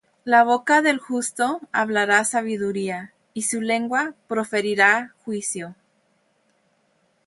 La boca del justo hablara sabiduría; Y su lengua proferirá juicio.